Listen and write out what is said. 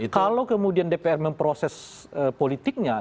kalau kemudian dpr memproses politiknya